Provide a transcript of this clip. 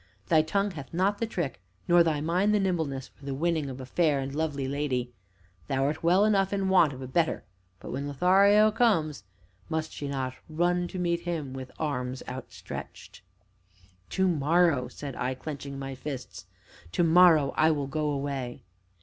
Thy tongue hath not the trick, nor thy mind the nimbleness for the winning of a fair and lovely lady. Thou'rt well enough in want of a better, but, when Lothario comes, must she not run to meet him with arms outstretched? "To morrow," said I, clenching my fists, "to morrow I will go away!"